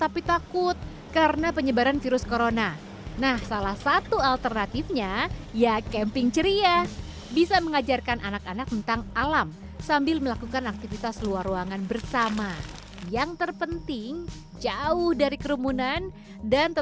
pembangunan di jawa barat